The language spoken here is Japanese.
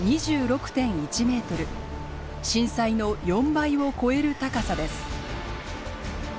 震災の４倍を超える高さです。